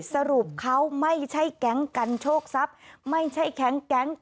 สรุปเขาไม่ใช่แก๊งกันโชคทรัพย์ไม่ใช่แก๊งกันตบทรัพย์